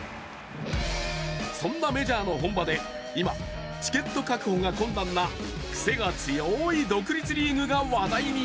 そんなメジャーの本場で今、チケット確保が困難な癖が強い独立リーグが話題に。